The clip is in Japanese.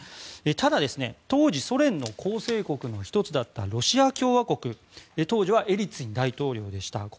ただ、当時ソ連の構成国の１つだったロシア共和国当時はエリツィン大統領でした。